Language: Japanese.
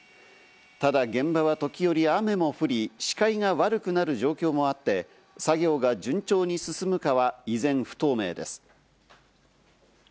ただ現場は時折、雨も降り、視界が悪くなる状況もあって作業が順調に進むかは依然、不透明です。